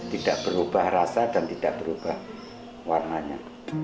tidak berubah rasa dan tidak berubah warnanya